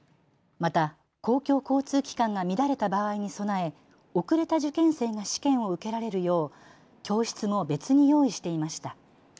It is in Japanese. また公共交通機関が乱れた場合に備え遅れた受験生が試験を受けられるよう教室も別に用意していました。